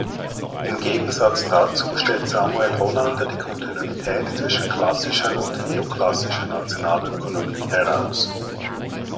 Im Gegensatz dazu stellt Samuel Hollander die Kontinuität zwischen klassischer und neoklassischer Nationalökonomie heraus.